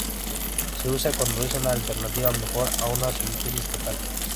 Se usa cuando es una alternativa mejor a una síntesis total.